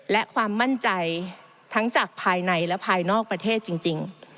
และความมั่นใจทั้งจากภายในและภายนอกประเทศจริง